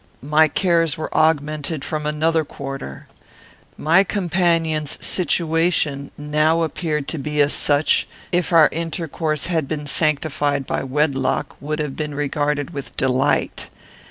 "My cares were augmented from another quarter. My companion's situation now appeared to be such as, if our intercourse had been sanctified by wedlock, would have been regarded with delight.